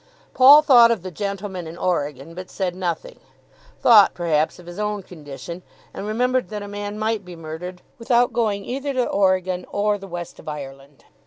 Paul thought of the gentleman in Oregon, but said nothing; thought, perhaps, of his own condition, and remembered that a man might be murdered without going either to Oregon or the west of Ireland.